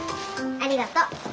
ありがとう。